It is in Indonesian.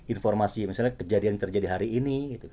informasi misalnya kejadian terjadi hari ini